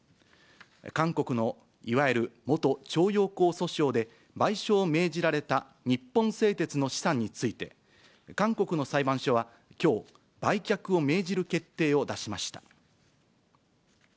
韓国のいわゆる元徴用工訴訟で、賠償を命じられた日本製鉄の資産について、韓国の裁判所はきょう、売却を命じる決定を出しました。